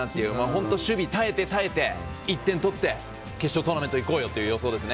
本当守備耐えて、耐えて１点取って決勝トーナメント行こうよという予想です。